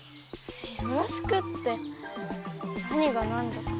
よろしくって何がなんだか。